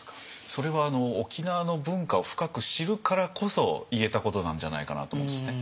それは沖縄の文化を深く知るからこそ言えたことなんじゃないかなと思うんですね。